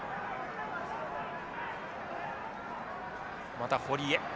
また堀江。